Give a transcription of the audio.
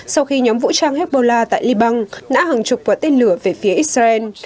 sau khi nhóm vũ trang hezbollah tại liban đã hàng chục quả tên lửa về phía israel